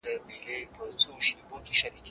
زه پرون د ښوونځی لپاره تياری کوم!؟